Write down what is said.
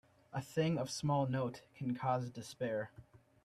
A thing of small note can cause despair.